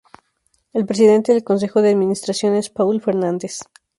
El presidente del Consejo de Administración es Paul Fernandes.